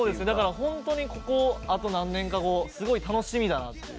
本当にここあと何年後すごい楽しみだなっていう。